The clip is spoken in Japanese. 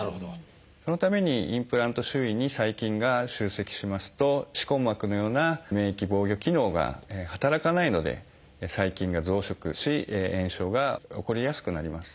そのためにインプラント周囲に細菌が集積しますと歯根膜のような免疫防御機能が働かないので細菌が増殖し炎症が起こりやすくなります。